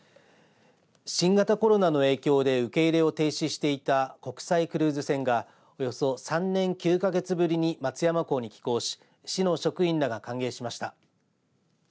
新型コロナの影響で受け入れを停止していた国際クルーズ船がおよそ３年９か月ぶりに松山港に寄港し市の職員らが歓迎しました。